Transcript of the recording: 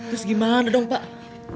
terus gimana dong pak